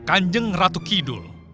kanjeng ratu kinah